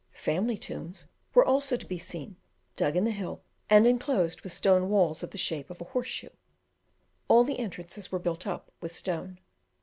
Family tombs were also to be seen, dug in the hill, and enclosed with stone walls of the shape of a horse shoe. All the entrances were built up with stone.